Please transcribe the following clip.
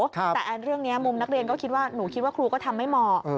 แต่เรื่องนี้มุมนักเรียนก็คิดว่าหนูคิดว่าครูก็ทำไม่เหมาะ